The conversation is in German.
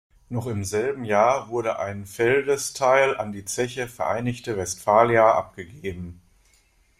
Noch im selben Jahr wurde ein Feldesteil an die Zeche Vereinigte Westphalia abgegeben.